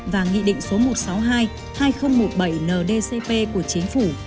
và nghị định số một trăm sáu mươi hai hai nghìn một mươi bảy ndcp của chính phủ